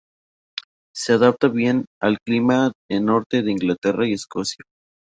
Se adapta bien al clima en norte de Inglaterra y Escocia.